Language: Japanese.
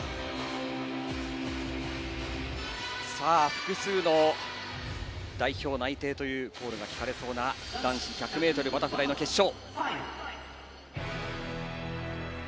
複数の代表内定という声が聞かれそうな男子１００ｍバタフライの決勝。